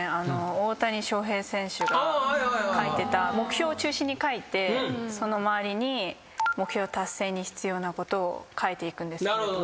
大谷翔平選手が書いてた目標を中心に書いてその周りに目標達成に必要なことを書いていくんですけど。